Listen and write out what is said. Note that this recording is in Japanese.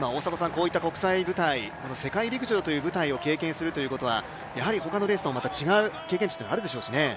こういった国際舞台、世界陸上という舞台を経験するということはやはり他のレースとは違う経験値になるでしょうしね。